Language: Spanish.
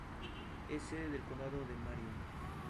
Es sede del condado de Marion.